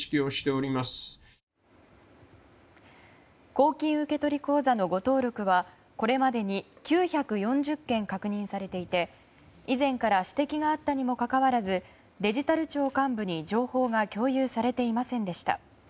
公金受取口座のご登録は、これまでに９４０件確認されていて以前から指摘があったにもかかわらずデジタル庁幹部に情報が共有されていませんでした。